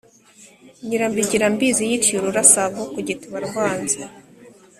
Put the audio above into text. nyirambigira-mbizi yiciye ururasago ku gituba rwanze